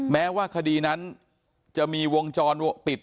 แม้ว่าคดีนั้นจะมีวงจรปิด